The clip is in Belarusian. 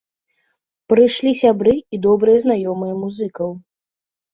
Прыйшлі сябры і добрыя знаёмыя музыкаў.